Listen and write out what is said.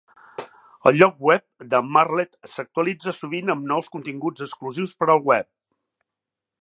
El lloc web de Martlet s'actualitza sovint amb nous continguts exclusius per al web.